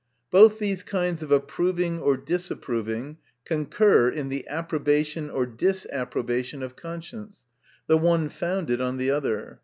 Both th kinds of approving or disapproving concur in the approbation or disapprobation of conscience ; the one founded on the other.